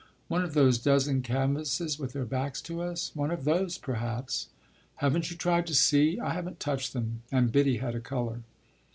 "One of those dozen canvases with their backs to us?" "One of those perhaps." "Haven't you tried to see?" "I haven't touched them" and Biddy had a colour.